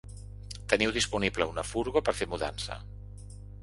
Teniu disponible una furgo per fer mudança?